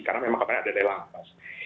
karena memang kemarin ada daya langkas